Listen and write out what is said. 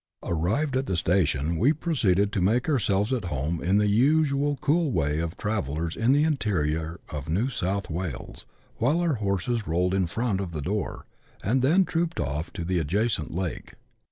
Arrived at the station, we proceeded to make ourselves at home in the usual cool way of travellers in the interior of New South Wales, while our horses rolled in front of the door, and then trooped off to the adjacent lake.